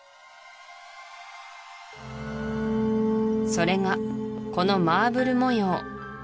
それがこのマーブル模様